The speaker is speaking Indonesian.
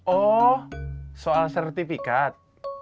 oh soal sertifikat